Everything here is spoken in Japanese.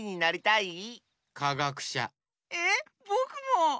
えっぼくも！